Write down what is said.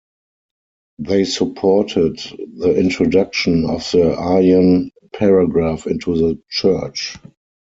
They supported the introduction of the Aryan Paragraph into the Church.